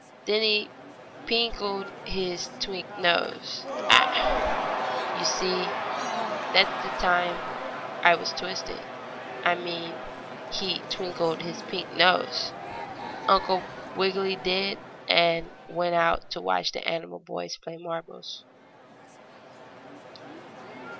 Then he pinkled his twink nose Ah! you see that's the time I was twisted I mean he twinkled his pink nose, Uncle Wiggily did, and out he went to watch the animal boys play marbles.